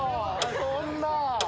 そんな。